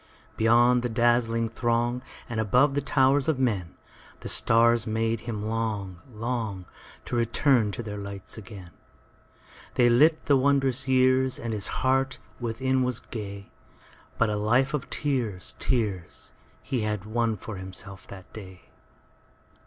Beyond the dazzling throngAnd above the towers of menThe stars made him long, long, To return to their light again. They lit the wondrous yearsAnd his heart within was gay; But a life of tears, tears, He had won for himself that day.